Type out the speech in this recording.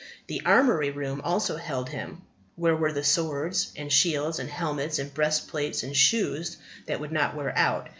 The armoury room also held him, where were the swords, and shields, and helmets, and breast plates, and shoes that would not wear out.